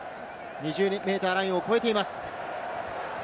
２０ｍラインを超えています。